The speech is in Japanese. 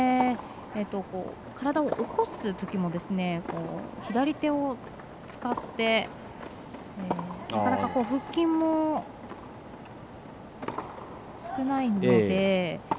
体を起こすときも左手を使って、なかなか腹筋も少ないので。